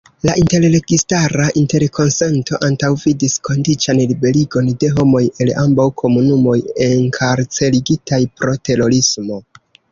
La interregistara interkonsento antaŭvidis kondiĉan liberigon de homoj el ambaŭ komunumoj enkarcerigitaj pro terorismo.